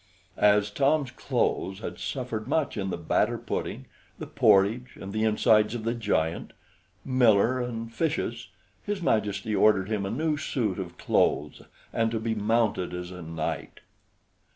As Tom's clothes had suffered much in the batter pudding, the porridge, and the insides of the giant, miller, and fishes, his Majesty ordered him a new suit of clothes, and to be mounted as a knight.